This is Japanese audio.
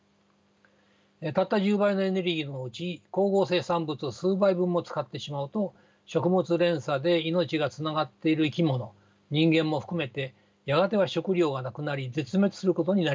たった１０倍のエネルギーのうち光合成産物を数倍分も使ってしまうと食物連鎖で命がつながっている生き物人間も含めてやがては食料がなくなり絶滅することになりかねません。